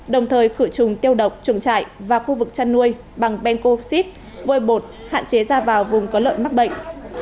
đồng thời khử trùng tiêu độc chuồng trại và khu vực chăn nuôi bằng bencoxid vôi bột hạn chế ra vào vùng có lợn mắc bệnh